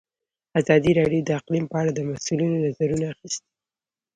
ازادي راډیو د اقلیم په اړه د مسؤلینو نظرونه اخیستي.